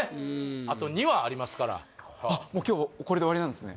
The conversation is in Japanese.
あと２話ありますからあっもう今日これで終わりなんですね